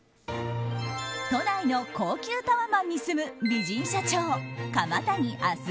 都内の高級タワマンに住む美人社長、釜谷あ